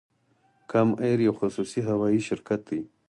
کام ایر یو خصوصي هوایی شرکت دی